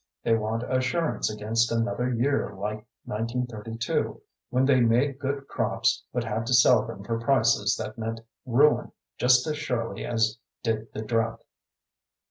They want assurance against another year like 1932 when they made good crops but had to sell them for prices that meant ruin just as surely as did the drought.